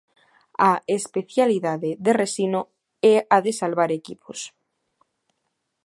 A "especialidade" de Resino é a de salvar equipos.